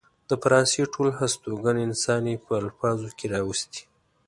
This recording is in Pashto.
د فرانسې ټول هستوګن انسان يې په الفاظو کې راوستي.